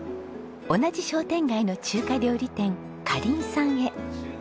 同じ商店街の中華料理店かりんさんへ。